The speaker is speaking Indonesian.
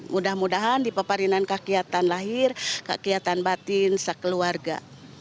mudah mudahan dipeparinan kakiatan lahir kakiatan batin sekeluarga